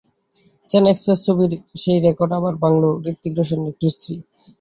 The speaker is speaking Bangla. চেন্নাই এক্সপ্রেস ছবির সেই রেকর্ড আবার ভাঙল হূতিক রোশনের কৃষ থ্রি।